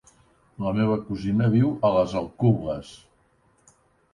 La meva cosina viu a les Alcubles.